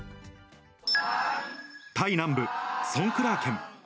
タイ南部ソンクラー県。